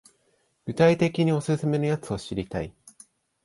具体的にオススメのやつ知りたい